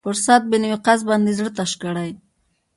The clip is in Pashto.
پر سعد بن وقاص باندې یې زړه تش کړی.